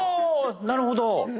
なるほど。